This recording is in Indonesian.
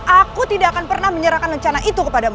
aku tidak akan pernah menyerahkan rencana itu kepadamu